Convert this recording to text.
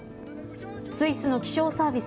スイスの気象サービス